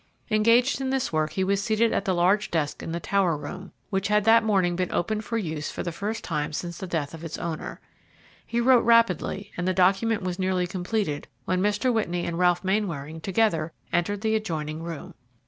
Engaged in this work, he was seated at the large desk in the tower room, which had that morning been opened for use for the first time since the death of its owner. He wrote rapidly, and the document was nearly completed when Mr. Whitney and Ralph Mainwaring together entered the adjoining room.